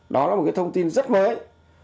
đó là một cái thông tin rất mới